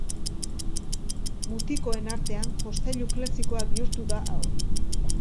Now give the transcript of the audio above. Mutikoen artean jostailu klasikoa bihurtu da hau.